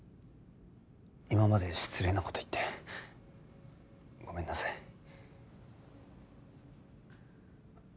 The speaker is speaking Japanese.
今まで失礼な事言ってごめんなさい。